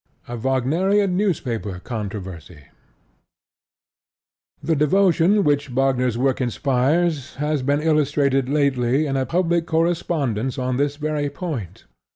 A WAGNERIAN NEWSPAPER CONTROVERSY The devotion which Wagner's work inspires has been illustrated lately in a public correspondence on this very point.